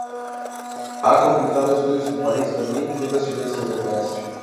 Ha completado estudios en París, Berlín y otras ciudades europeas.